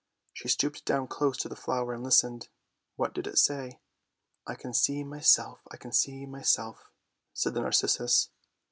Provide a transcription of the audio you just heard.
She stooped down close to the flower and listened. What did it say ?" I can see myself, I can see myself," said the narcissus.